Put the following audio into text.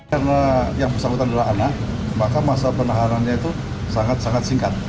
karena yang bersangkutan adalah anak maka masa penahanannya itu sangat sangat singkat